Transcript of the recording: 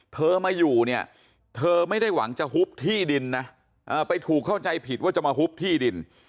เธอมาอยู่เนี่ยเธอไม่ได้หวังจะฮุบที่ดินนะไปถูกเข้าใจผิดว่าจะมาฮุบที่ดิน